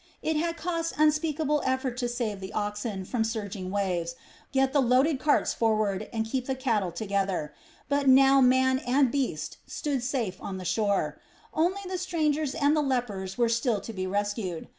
It had cost unspeakable effort to save the oxen from the surging waves, get the loaded carts forward, and keep the cattle together; but now man and beast stood safe on shore. Only the strangers and the lepers were still to be rescued.